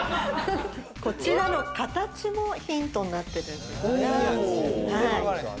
こちらの形もヒントになっていますが。